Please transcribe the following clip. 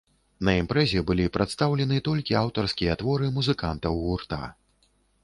На імпрэзе былі прадстаўлены толькі аўтарскія творы музыкантаў гурта.